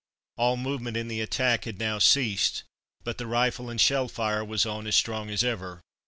All movement in the attack had now ceased, but the rifle and shell fire was on as strong as ever.